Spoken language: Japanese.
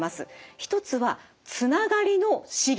一つは「つながりの資源」。